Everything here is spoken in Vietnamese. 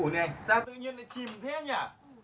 ủa này sao tự nhiên lại chìm thế nhở